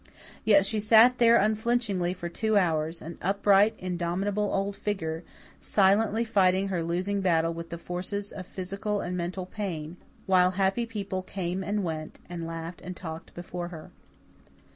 Yet she sat there unflinchingly for two hours, an upright, indomitable old figure, silently fighting her losing battle with the forces of physical and mental pain, while happy people came and went, and laughed and talked before her.